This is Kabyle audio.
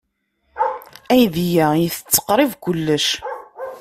Aydi-a itett qrib kullec.